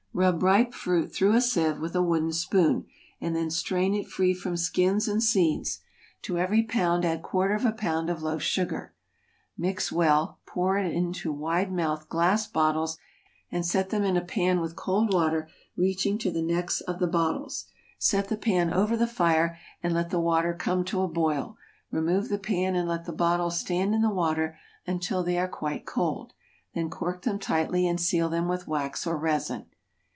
= Rub ripe fruit through a seive, with a wooden spoon, and then strain it free from skins and seeds; to every pound add quarter of a pound of loaf sugar; mix well; put into wide mouthed glass bottles, and set them in a pan with cold water reaching to the necks of the bottles. Set the pan over the fire and let the water come to a boil; remove the pan and let the bottles stand in the water until they are quite cold. Then cork them tightly, and seal them with wax or resin.